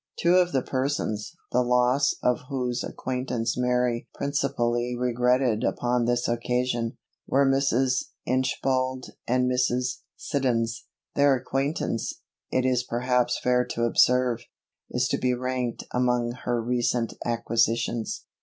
Two of the persons, the loss of whose acquaintance Mary principally regretted upon this occasion, were Mrs. Inchbald and Mrs. Siddons. Their acquaintance, it is perhaps fair to observe, is to be ranked among her recent acquisitions.